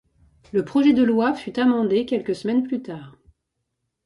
Le projet de loi fût amendé quelques semaines plus tard.